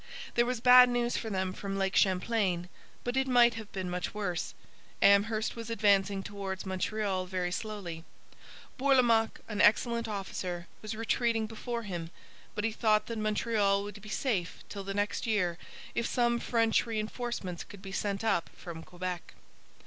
There was bad news for them from Lake Champlain; but it might have been much worse. Amherst was advancing towards Montreal very slowly. Bourlamaque, an excellent officer, was retreating before him, but he thought that Montreal would be safe till the next year if some French reinforcements could be sent up from Quebec.